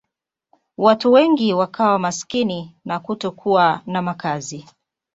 Watu wengi wakawa maskini na kutokuwa na makazi.